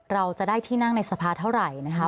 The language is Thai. เราจะได้ที่นั่งในสภาเท่าไหร่นะคะ